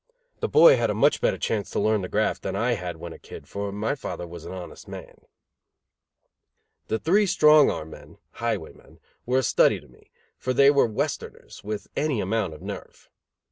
The boy had a much better chance to learn the graft than I had when a kid, for my father was an honest man. The three strong arm men (highwaymen) were a study to me, for they were Westerners, with any amount of nerve.